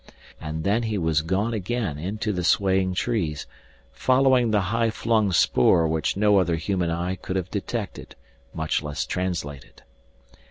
And then he was gone again into the swaying trees, following the high flung spoor which no other human eye could have detected, much less translated.